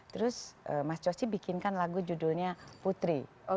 terus mas yosi bikinkan lagu judulnya putri